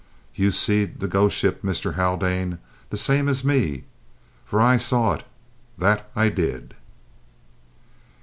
"You seed the ghost ship, Mr Haldane, the same as me, for I saw it, that I did!"